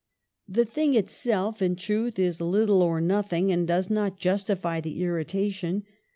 " The thing itself, in truth, is little or nothing and does not justify the irritation.